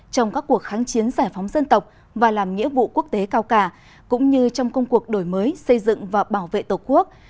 trong các cuộc kháng chiến giải phóng dân tộc và làm nghĩa vụ quốc tế cao cả cũng như trong công cuộc đổi mới xây dựng và bảo vệ tổ quốc